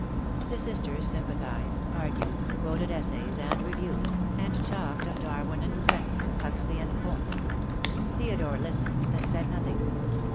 The sisters sympathized, argued, quoted Essays and Reviews, and talked of Darwin and Spencer, Huxley and Comte. Theodore listened and said nothing.